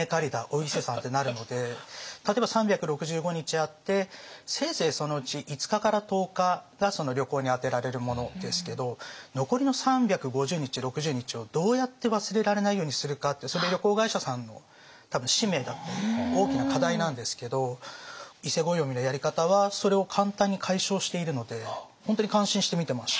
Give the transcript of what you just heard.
例えば３６５日あってせいぜいそのうち５日から１０日が旅行に充てられるものですけど残りの３５０日３６０日をどうやって忘れられないようにするかってそれ旅行会社さんの多分使命だったり大きな課題なんですけど伊勢暦のやり方はそれを簡単に解消しているので本当に感心して見てました。